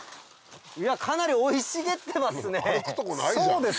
かなり生い茂ってますね。